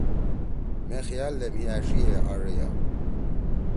مے خیال دے مھی أݜیئے آݜ اَئیا